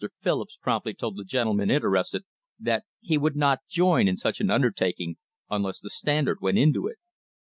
Phillips promptly told the gentlemen inter ested that he would not join in such an undertaking unless the Standard went into it.